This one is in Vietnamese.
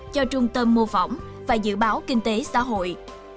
cho trung tâm mô phỏng và dự báo kinh tế xã hội